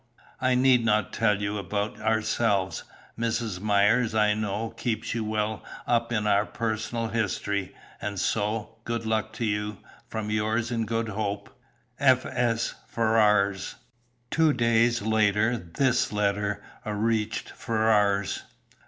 I need not tell you about ourselves; Mrs. Myers, I know, keeps you well up in our personal history. And so, good luck to you. From yours in good hope, "F. S. FERRARS." Two days later this letter reached Ferrars.